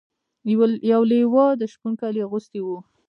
یو لیوه د شپون کالي اغوستي وو.